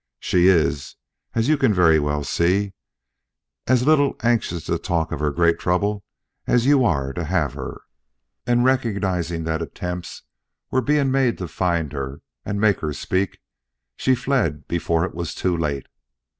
She is, as you can very well see, as little anxious to talk of her great trouble as you are to have her, and recognizing that attempts were being made to find her and make her speak, she fled before it was too late.